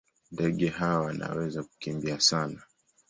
Ndege hawa wanaweza kukimbia sana.